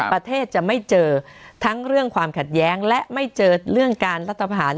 ประเทศจะไม่เจอทั้งเรื่องความขัดแย้งและไม่เจอเรื่องการรัฐพาหาร